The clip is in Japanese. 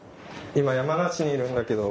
今山梨にいるんだけど。